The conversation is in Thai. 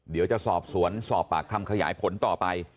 เดี๋ยวจะสอบสวนสอบปากคำขยายผลต่อไป